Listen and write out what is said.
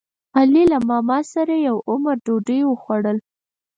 علي له ماماسره یو عمر ډوډۍ وخوړه.